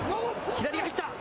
左に入った。